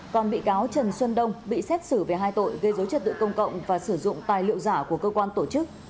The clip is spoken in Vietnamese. còn bị cáo trần xuân đông bị xét xử về hai tội gây dối trật tự công cộng và sử dụng tài liệu giả của cơ quan tổ chức